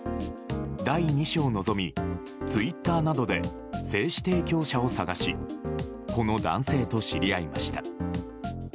第２子を望み、ツイッターなどで精子提供者を探しこの男性と知り合いました。